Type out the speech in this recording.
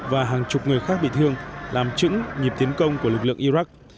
và hàng chục người khác bị thương làm chữ nhịp tiến công của lực lượng iraq